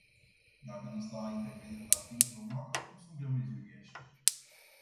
Dacă nu s-a intervenit la timp, normal că acum sunt grămezi uriașe.